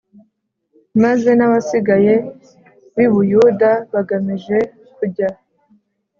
Maze n abasigaye b i buyuda bagamije kujya